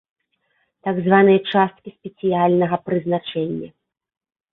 Так званыя часткі спецыяльнага прызначэння.